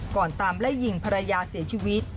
ก่อนตามไล่ยิงภรรยาเสียชีวิต